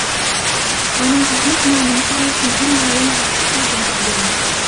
وَمَا أَهْلَكْنَا مِنْ قَرْيَةٍ إِلَّا وَلَهَا كِتَابٌ مَعْلُومٌ